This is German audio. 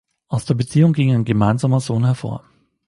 Aus der Beziehung ging ein gemeinsamer Sohn hervor.